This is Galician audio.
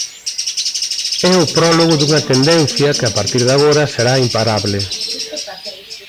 É o prólogo dunha tendencia que a partir de agora será imparable.